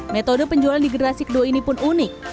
metode penjualan di generasi kedua ini pun unik